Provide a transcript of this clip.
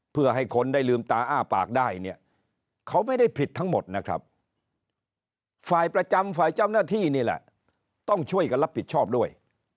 เพื่อให้คนได้ลืมตาอ้าปากได้เนี่ยเขาไม่ได้ผิดทั้งหมดนะครับฝ่ายประจำฝ่ายเจ้าหน้าที่นี่แหละต้องช่วยกันรับผิดชอบด้วย